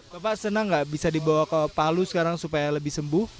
bapak senang gak bisa dibawa ke palu sekarang supaya lebih sembuh